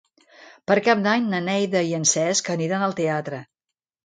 Per Cap d'Any na Neida i en Cesc aniran al teatre.